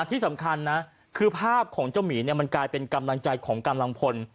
ที่สำคัญนะคือภาพของเจ้าหมีเนี่ยมันกลายเป็นกำลังใจของกำลังพล